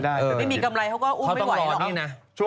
แต่ไม่มีกำไรเขาก็อุ้มไม่ไหวหรอก